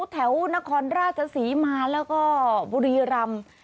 แถวนครราชศรีมาแล้วก็บุรีรำ